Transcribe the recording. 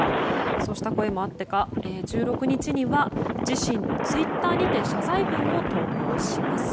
そうした声もあってか１６日には自身のツイッターにて謝罪文を投稿します。